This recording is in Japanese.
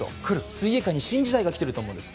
水泳界に新時代が来ていると思うんです。